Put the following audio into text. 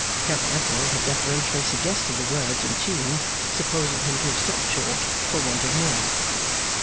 Cavalletto had deferentially suggested the words and tune, supposing him to have stopped short for want of more.